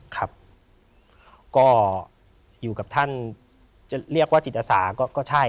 ครับก็อยู่กับท่านจะเรียกว่าจิตอาสาก็ใช่